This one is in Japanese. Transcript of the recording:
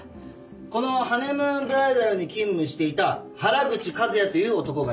このハネムーンブライダルに勤務していた原口和也という男がいました。